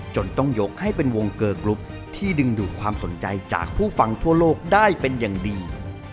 ต้องยกให้เป็นวงเกอร์กรุ๊ปที่ดึงดูดความสนใจจากผู้ฟังทั่วโลกได้เป็นอย่างดี